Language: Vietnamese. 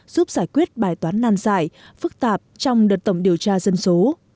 giúp giải quyết bài toán nan giải phức tạp trong đợt tổng điều tra dân số